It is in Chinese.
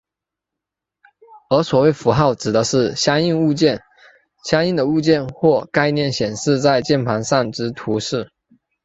而所谓符号指的是相应的物件或概念显示在键盘上之图示。